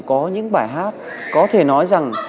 có những bài hát có thể nói rằng